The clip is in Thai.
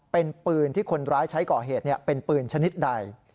เป็นปืนที่คนร้ายใช้ก่อเหตุเป็นปืนชนิดใด